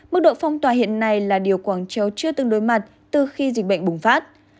mức độ phong tỏa hiện nay là điều quảng châu chưa tương đối mặt từ khi dịch bệnh bùng phát